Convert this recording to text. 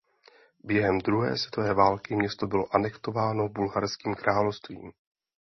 Během druhé světové války město bylo anektováno Bulharským královstvím.